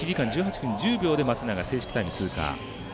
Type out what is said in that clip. １時間１８分１０秒、松永正式タイムで通過。